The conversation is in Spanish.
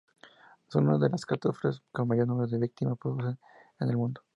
Son una de las catástrofes que mayor número de víctimas producen en el mundo.